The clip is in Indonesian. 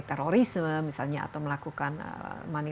terorisme misalnya atau melakukan money